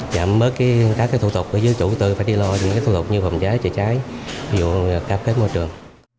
giảm bớt các thủ tục ở dưới chủ tư phải đi lo những cái thủ tục như phòng cháy chữa cháy ví dụ cấp phép môi trường